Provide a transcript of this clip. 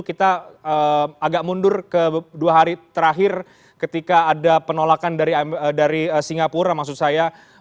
kita agak mundur ke dua hari terakhir ketika ada penolakan dari singapura maksud saya